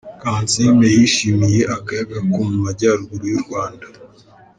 Kansiime yishimiye akayaga ko mu Majyaruguru y'u Rwanda.